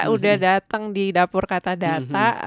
udah datang di dapur kata data